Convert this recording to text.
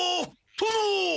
殿？